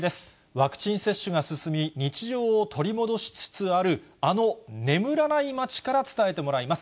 ワクチン接種が進み、日常を取り戻しつつある、あの眠らない街から伝えてもらいます。